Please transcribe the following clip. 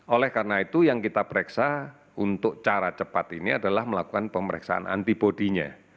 oleh karena itu yang kita pereksa untuk cara cepat ini adalah melakukan pemeriksaan antibody nya